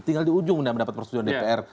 tinggal di ujung dan mendapat persetujuan dpr